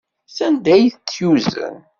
Sanda ay tt-yuzen?